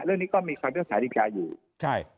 เรื่องนี้ก็มีความเรื่องสาธิตราอยู่